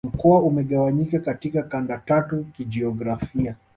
Mkoa umegawanyika katika kanda tatu kijiografia